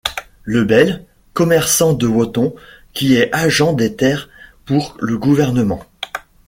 Lebel, commerçant de Wotton, qui est agent des terres pour le gouvernement.